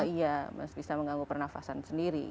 iya bisa mengganggu pernafasan sendiri